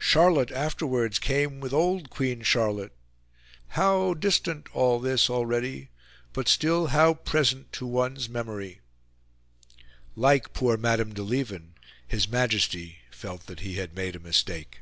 Charlotte afterwards came with old Queen Charlotte. How distant all this already, but still how present to one's memory." Like poor Madame de Lieven, His Majesty felt that he had made a mistake.